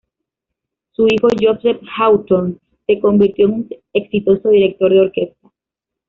Su hijo, Joseph Hawthorne, se convirtió en un exitoso director de orquesta.